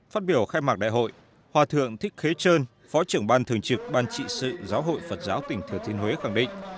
phát biểu khai mạc đại hội hòa thượng thích khế trơn phó trưởng ban thường trực ban trị sự giáo hội phật giáo tỉnh thứ thuế nhuế khẳng định